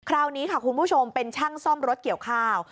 คราวนี้ค่ะคุณผู้ชมเป็นช่างซ่อมรถเกี่ยวข้าว